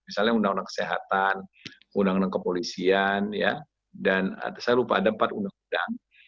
misalnya undang undang kesehatan undang undang kepolisian dan saya lupa ada empat undang undang